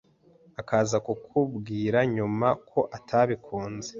akaza kubikubwira nyuma ko atabikunze